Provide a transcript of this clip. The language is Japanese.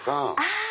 あ！